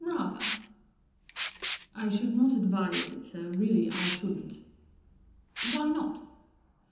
" Rather !" 11 I should not advise it, sir, really I shouldn't/ 1 " Why not